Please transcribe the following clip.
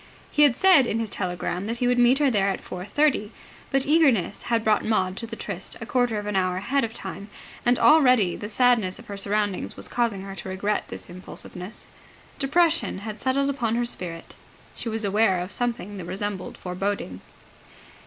He had said in his telegram that he would meet her there at four thirty: but eagerness had brought Maud to the tryst a quarter of an hour ahead of time: and already the sadness of her surroundings was causing her to regret this impulsiveness. Depression had settled upon her spirit. She was aware of something that resembled foreboding.